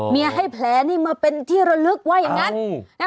ให้แผลนี่มาเป็นที่ระลึกว่าอย่างนั้น